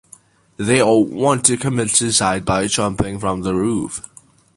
They all want to commit suicide by jumping from the roof.